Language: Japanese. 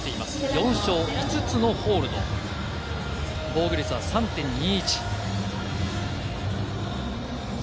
４勝、５つのホールド、防御率は３．２１。